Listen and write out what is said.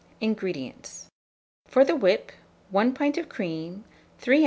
INGREDIENTS. For the whip, 1 pint of cream, 3 oz.